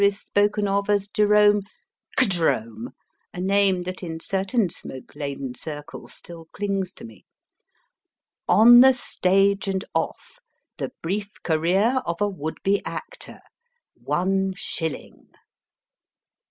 " is spoken of as Jerome Kjerome/ a name that in S certain smoke laden circles still clings to me On the Stage and Off: The Brief Career of a would be Actor. One Shilling.